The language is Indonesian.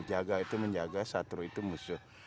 jaga itu menjaga satru itu musuh